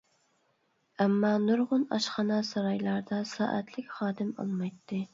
ئەمما نۇرغۇن ئاشخانا، سارايلاردا سائەتلىك خادىم ئالمايتتى.